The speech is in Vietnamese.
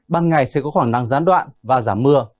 ban ngày sẽ có khả năng gián đoạn và giảm mưa